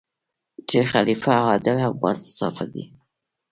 چې خلیفه عادل او با انصافه دی.